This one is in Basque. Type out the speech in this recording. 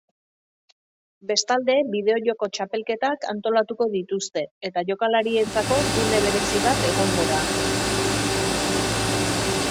Bestalde, bideo-joko txapelketak antolatuko dituzte eta jokalarientzako gune berezi bat egongo da.